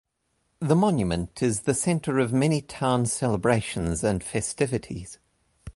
The Monument is the center of many town celebrations and festivities.